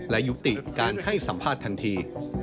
และยุติการให้สัมภาษณ์ทันที